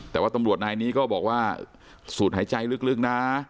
แต่ว่าตำรวจนายนี้ก็บอกว่าสูดหายใจลึกนะ